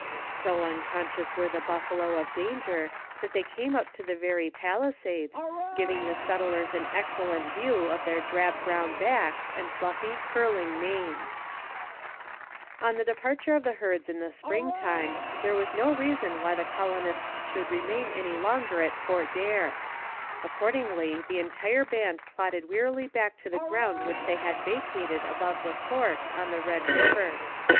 So unconscious were the buffalo of danger that they came up to the very palisades, giving the settlers an excellent view of their drab brown backs and fluffy, curling manes. [Illustration: Hunting the Buffalo. From a painting by George Catlin.] On the departure of the herds in the springtime there was no reason why the colonists should remain any longer at Fort Daer. Accordingly the entire band plodded wearily back to the ground which they had vacated above 'the Forks' on the Red River.